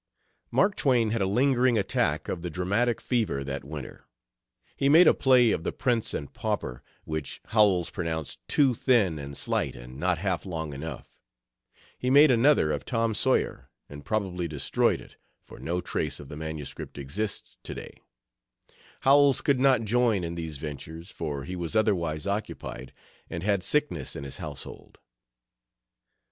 Mark Twain had a lingering attack of the dramatic fever that winter. He made a play of the Prince and Pauper, which Howells pronounced "too thin and slight and not half long enough." He made another of Tom Sawyer, and probably destroyed it, for no trace of the MS. exists to day. Howells could not join in these ventures, for he was otherwise occupied and had sickness in his household.